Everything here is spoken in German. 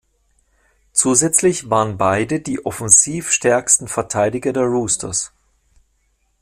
Zusätzlich waren beide die offensivstärksten Verteidiger der Roosters.